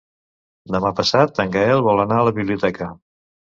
Demà passat en Gaël vol anar a la biblioteca.